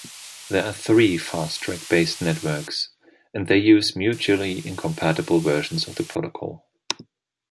There are three FastTrack-based networks, and they use mutually incompatible versions of the protocol.